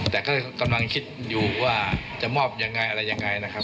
แต่ก็กำลังคิดอยู่ว่าจะมอบยังไงอะไรยังไงนะครับ